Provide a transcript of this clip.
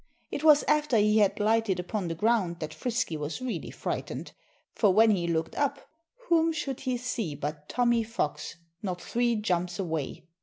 It was after he had lighted upon the ground that Frisky was really frightened. For when he looked up, whom should he see but Tommy Fox, not three jumps away!